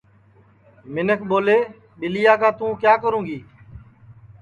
منکھ ٻولے ٻیلیا کا توں کیا کرو گی